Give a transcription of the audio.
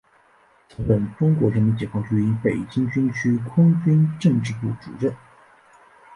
曾任中国人民解放军北京军区空军政治部主任。